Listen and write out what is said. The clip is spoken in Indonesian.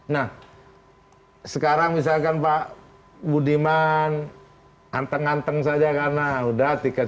nah sekarang misalkan pak budiman nganteng nganteng saja karena sudah ada tiket